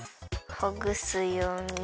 ほぐすように。